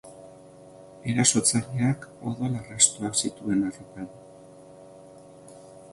Erasotzaileak odol-arrastoak zituen arropan.